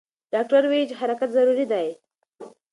ډاکټران ویلي چې حرکت ضروري دی.